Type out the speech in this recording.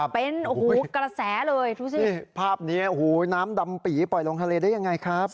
เป็นกระแสเลยฟับนี้น้ำดำปีปล่อยลงทะเลได้ยังไงครับ